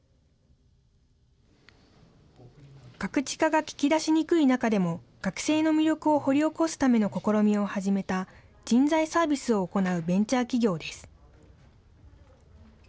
ガクチカが聞きだしにくい中でも、学生の魅力を掘り起こすための試みを始めた人材サービスを行うベンチャー企業です。